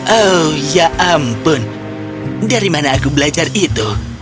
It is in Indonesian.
oh ya ampun dari mana aku belajar itu